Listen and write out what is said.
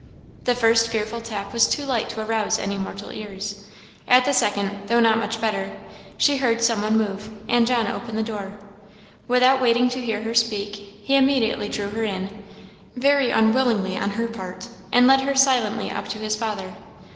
The first fearful tap was too light to arouse any mortal ears. At the second, though not much better, she heard some one move, and John opened the door. Without waiting to hear her speak, he immediately drew her in, very unwillingly on her part, and led her silently up to his father.